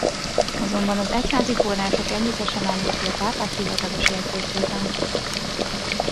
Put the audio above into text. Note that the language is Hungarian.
Azonban az egyházi források egyike sem említi a pápák hivatalos jegyzékében.